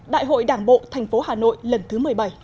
đại hội đảng bộ tp hà nội lần thứ một mươi bảy